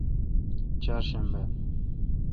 چارشنبہ